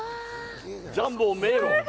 ジャンボ迷路。